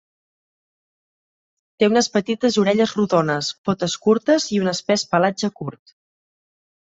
Té unes petites orelles rodones, potes curtes i un espès pelatge curt.